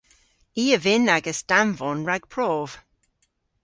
I a vynn agas danvon rag prov.